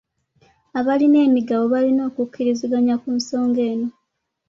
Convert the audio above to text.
Abalina emigabo balina okukkiriziganya ku nsonga eno.